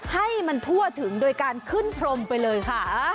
ให้มันทั่วถึงโดยการขึ้นพรมไปเลยค่ะ